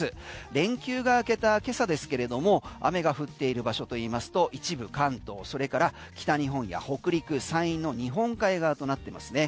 連休が明けた今朝ですけれども雨が降っている場所といいますと一部関東、それから北日本や北陸山陰の日本海側となってますね。